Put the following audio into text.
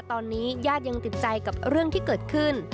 ตอนนี้ญาติยังติดใจกับเรื่องที่เกิดขึ้น